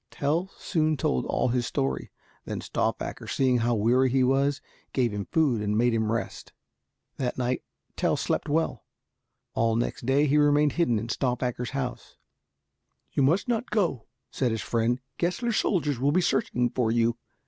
Tell soon told all his story. Then Stauffacher, seeing how weary he was, gave him food and made him rest. That night Tell slept well. All next day he remained hidden in Stauffacher's house. "You must not go," said his friend, "Gessler's soldiers will be searching for you."